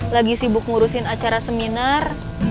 lagi sibuk ngurusin acara seminar